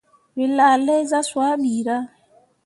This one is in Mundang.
Wǝ laa lai zah swaa ɓirah.